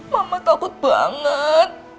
mama takut banget